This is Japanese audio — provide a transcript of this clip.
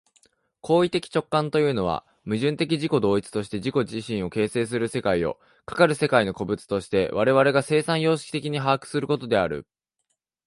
行為的直観というのは、矛盾的自己同一として自己自身を形成する世界を、かかる世界の個物として我々が生産様式的に把握することである。